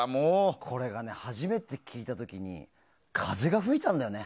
これがね、初めて聴いた時に風が吹いたんだよね